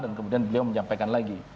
dan kemudian beliau menyampaikan lagi